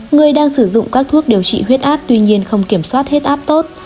người đang sử dụng các thuốc điều trị huyết áp tuy nhiên không kiểm soát hết áp tốt